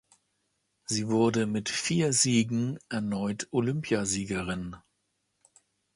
Sie wurde mit vier Siegen erneut Olympiasiegerin.